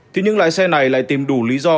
thì những loại xe này lại tìm đủ lý do